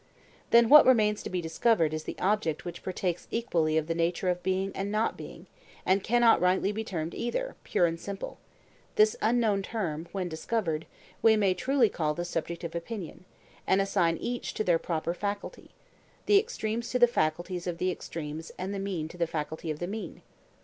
Then what remains to be discovered is the object which partakes equally of the nature of being and not being, and cannot rightly be termed either, pure and simple; this unknown term, when discovered, we may truly call the subject of opinion, and assign each to their proper faculty,—the extremes to the faculties of the extremes and the mean to the faculty of the mean.